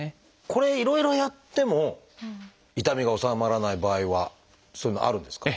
これいろいろやっても痛みが治まらない場合はそういうのあるんですか？